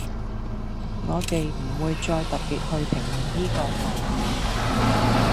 我哋唔會再特別去評論呢個個案